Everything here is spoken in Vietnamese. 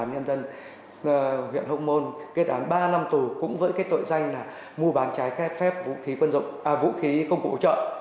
nên huyện hồng môn kết án ba năm tù cũng với cái tội danh là mua bán trái khép phép vũ khí công cụ hỗ trợ